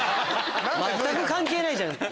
全く関係ないじゃない！